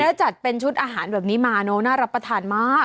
แล้วจัดเป็นชุดอาหารแบบนี้มาเนอะน่ารับประทานมาก